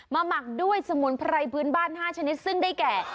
หมักด้วยสมุนไพรพื้นบ้าน๕ชนิดซึ่งได้แก่